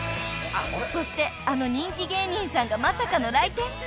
［そしてあの人気芸人さんがまさかの来店？